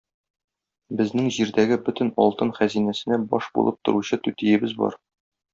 Безнең җирдәге бөтен алтын хәзинәсенә баш булып торучы түтиебез бар.